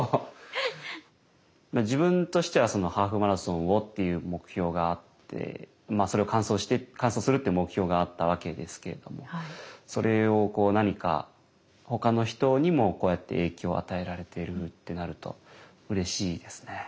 自分としてはハーフマラソンをっていう目標があってそれを完走するって目標があったわけですけれどもそれを何かほかの人にもこうやって影響を与えられているってなるとうれしいですね。